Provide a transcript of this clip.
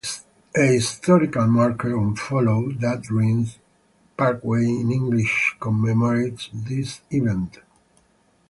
A historical marker on Follow That Dream Parkway in Inglis commemorates this event.